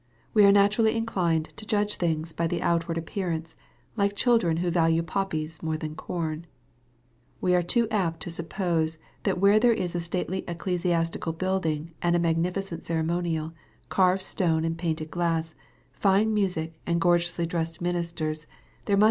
We are naturally inclined to judge things by the outward ap pearance, like children who value poppies more than corn. We are too apt to suppose that where there is a stately ecclesiastical building and a magnificent ceremonial carved stone and painted glass fine music and gorge ously dressed ministers, there must be some real religion.